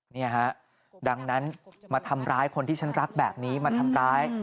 นี่ฮะดังนั้นมาทำร้ายคนที่ฉันรักแบบนี้มาทำร้าย